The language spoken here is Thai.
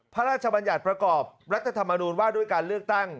พระราชบัญญัติประกอบรัฐธรรมนูญว่าด้วยการเลือกตั้ง